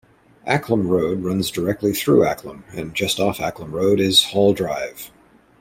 Acklam Road runs directly through Acklam, and just off Acklam Road is Hall Drive.